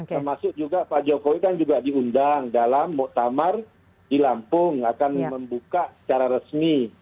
termasuk juga pak jokowi kan juga diundang dalam muktamar di lampung akan membuka secara resmi